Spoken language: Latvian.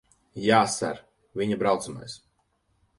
Jā, ser. Viņa braucamais.